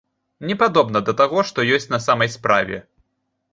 Не падобна да таго, што ёсць на самой справе!